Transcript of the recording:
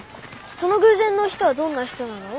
その偶然の人はどんな人なの？